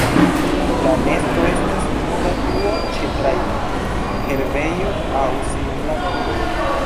La nesto estas nuda truo ĉe tajgo, herbejo aŭ simila medio.